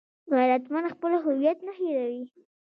غیرتمند خپل هویت نه هېروي